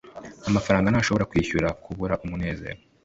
amafaranga ntashobora kwishyura kubura umunezero